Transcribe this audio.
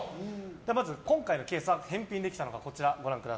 まず今回のケースは返品できたのか。